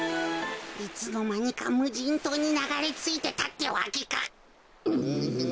いつのまにかむじんとうにながれついてたってわけか。